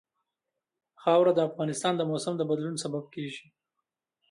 خاوره د افغانستان د موسم د بدلون سبب کېږي.